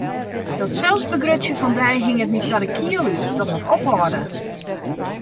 Dat selsbegrutsjen fan dy hinget my ta de kiel út, dat moat ophâlde!